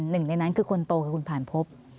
หนึ่งในนั้นคือคนโตคือคุณผ่านพบ